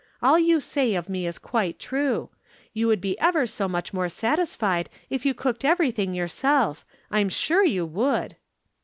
All you say of me is quite true. You would be ever so much more satisfied if you cooked everything yourself. I'm sure you would.'